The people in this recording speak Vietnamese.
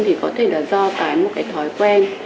thì có thể là do cái thói quen